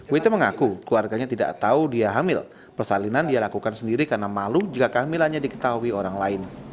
wt mengaku keluarganya tidak tahu dia hamil persalinan dia lakukan sendiri karena malu jika kehamilannya diketahui orang lain